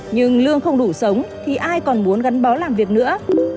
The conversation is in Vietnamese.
nhưng lương không đủ sống thì ai còn muốn gắn bó làm việc nữa